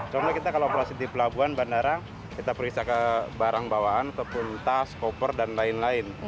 contohnya kita kalau operasi di pelabuhan bandara kita periksa ke barang bawaan ke puntas koper dan lain lain